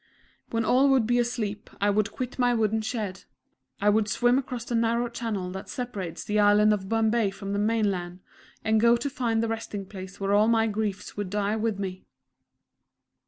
When all would be asleep, I would quit my wooden shed; I would swim across the narrow channel that separates the island of Bombay from the main land, and go to find the resting place where all my griefs would die with me.